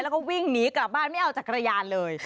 แล้วก็วิ่งหนีกลับบ้านไม่เอาจักรยานเลย